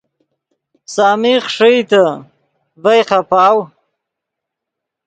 سامی خݰئیتے ڤئے خیپاؤ